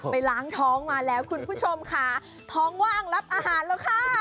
ผู้ชมล้องท้องมาแล้วคุณผู้ชมช่วงบ้างกับอาหารว่ะ